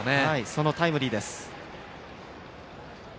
そのタイムリーです。